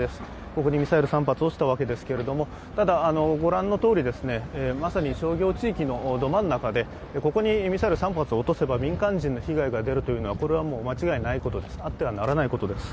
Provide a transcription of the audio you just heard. ここにミサイル３発落ちたわけですけれども、ただ、御覧のとおりまさに商業地域のど真ん中でここにミサイル３発を落とせば民間人の被害が出るというのは間違いないことです